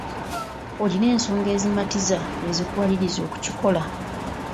Olina ensonga ezimatiza ezikuwaliriza okukikola?